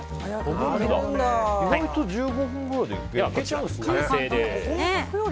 意外と１５分ぐらいでいけちゃうんですね。